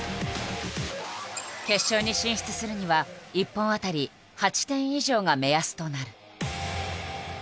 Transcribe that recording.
決勝に進出するには１本当たり８点以上が目安となる。